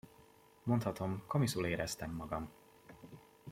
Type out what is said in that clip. Mondhatom, komiszul éreztem magam!